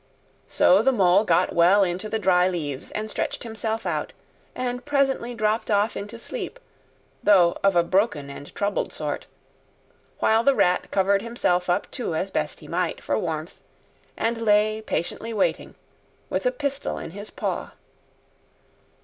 So the Mole got well into the dry leaves and stretched himself out, and presently dropped off into sleep, though of a broken and troubled sort; while the Rat covered himself up, too, as best he might, for warmth, and lay patiently waiting, with a pistol in his paw.